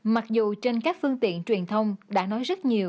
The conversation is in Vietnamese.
mặc dù trên các phương tiện truyền thông đã nói rất nhiều